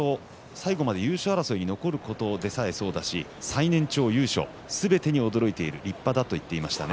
最後まで優勝争いに残ることでさえそうだし最年長優勝すべてに驚いている立派だと言っています。